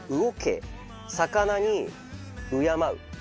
「魚」に「敬う」。